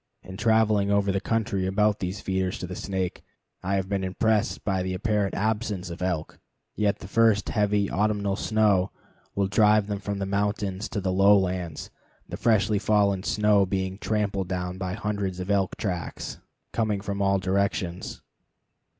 In traveling over the country about these feeders to the Snake, I have been impressed by the apparent absence of elk, yet the first heavy autumnal snow will drive them from the mountains to the lowlands, the freshly fallen snow being tramped down by hundreds of elk tracks coming from all directions.